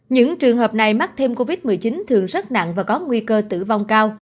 những trường hợp này mắc thêm covid một mươi chín thường rất nặng và có nguy cơ tử vong cao